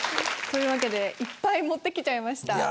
というわけでいっぱい持って来ちゃいました。